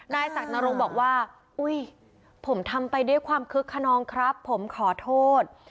นายสักนรงบอกว่าอุ๊ยผมทำไปด้วยความคึกค่ะน้องครับผมขอโทษ